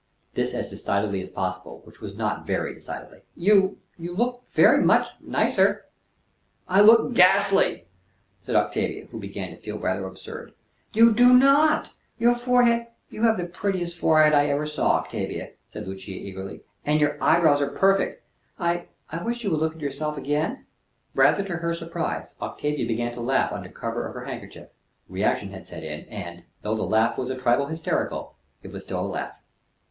This as decidedly as possible, which was not very decidedly. "You you look very much nicer." "I look ghastly!" said Octavia, who began to feel rather absurd. "You do not. Your forehead you have the prettiest forehead I ever saw, Octavia," said Lucia eagerly; "and your eyebrows are perfect. I wish you would look at yourself again." Rather to her surprise, Octavia began to laugh under cover of her handkerchief: reaction had set in, and, though the laugh was a trifle hysterical, it was still a laugh.